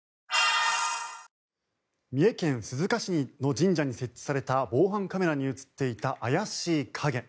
三重県鈴鹿市の神社に設置された防犯カメラに映っていた怪しい影。